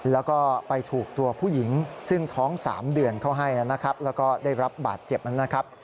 แล้วก็ไปถูกตัวผู้หญิงซึ่งท้อง๓เดือนเขาให้แล้วก็ได้รับบาดเจ็บ